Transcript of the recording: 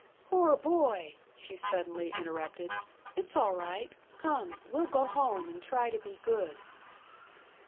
"Poor boy!" she suddenly interrupted; "it's all right. Come, we'll go home and try to be good."